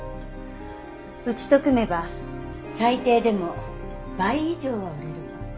うちと組めば最低でも倍以上は売れるわ。